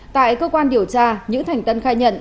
tại cơ quan điều tra nhữ thành tân khai nhận